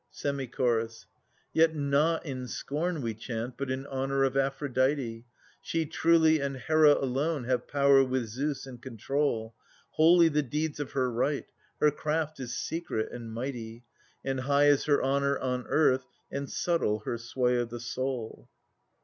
Semi Chorus. Yet not in scorn we chantj but in honour of AphrodUe ; uly and control. She truly and Hera alonel have power with Zeus and Holy the deeds of her rite/ her craft is secret and mighty, And high is her honour on earth,\ and subtle her sway of the soul.